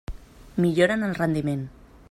Millora en el rendiment.